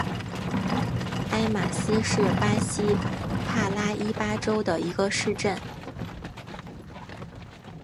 埃马斯是巴西帕拉伊巴州的一个市镇。